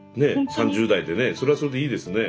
３０代でねそれはそれでいいですね。